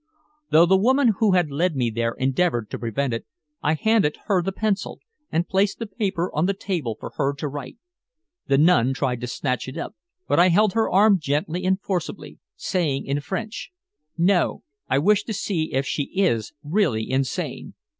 Though the woman who had led me there endeavored to prevent it, I handed her the pencil, and placed the paper on the table for her to write. The nun tried to snatch it up, but I held her arm gently and forcibly, saying in French: "No. I wish to see if she is really insane.